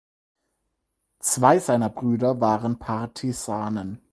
Zwei seiner Brüder waren Partisanen.